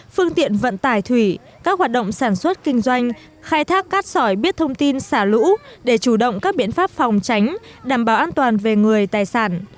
phương tiện vận tải thủy các hoạt động sản xuất kinh doanh khai thác cát sỏi biết thông tin xả lũ để chủ động các biện pháp phòng tránh đảm bảo an toàn về người tài sản